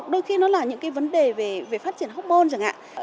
đôi khi nó là những cái vấn đề về phát triển hốc môn chẳng hạn